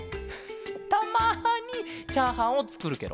たまにチャーハンをつくるケロ？